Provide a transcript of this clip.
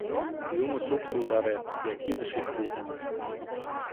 Юмо-суксо утаре, ия кидыш ит пу!